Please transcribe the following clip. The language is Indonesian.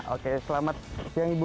oke selamat siang ibu